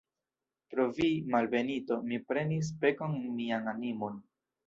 Pro vi, malbenito, mi prenis pekon en mian animon!